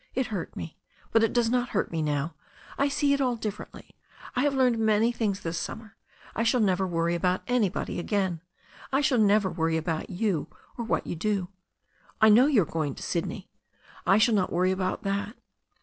It hurt me. But it does not hurt me now. I see it all differently. I have learned many things this summer. I shall never worry about anybody again. I shall never worry about you or what you do. I know you are going to Sydney. I shall not worry about that.